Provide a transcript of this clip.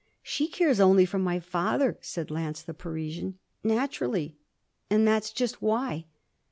'She cares only for my father,' said Lance the Parisian. 'Naturally and that's just why.'